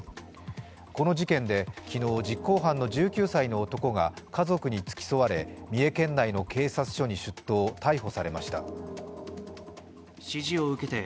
この事件で昨日、実行犯の１９歳の男が家族に付き添われ三重県内の警察署に出頭、逮捕されました。